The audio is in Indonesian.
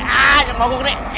ah jangan lakukan ini